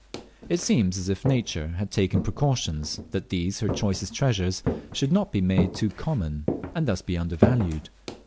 It seems as if Nature had taken precautions that these her choicest treasures should not be made too common, and thus be undervalued.